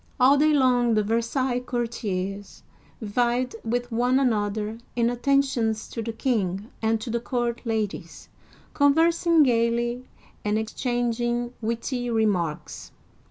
All day long the Versailles courtiers vied with one another in attentions to the king and to the court ladies, conversing gayly and exchanging witty remarks.